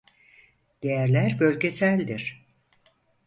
Değerler bölgeseldir